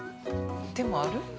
でも、ある？